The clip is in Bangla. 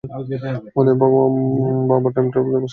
মানে বাবা টাইম ট্রাভেল আবিষ্কার করেছিল?